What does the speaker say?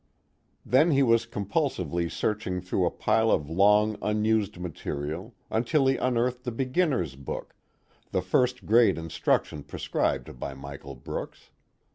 Then he was compulsively searching through a pile of long unused material, until he unearthed the beginner's book, the first grade instruction prescribed by Michael Brooks.